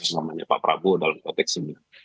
namanya pak prabowo dalam konteks ini